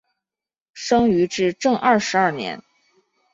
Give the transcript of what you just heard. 生于至正二十二年。